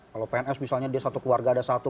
kalau pns misalnya dia satu keluarga ada satu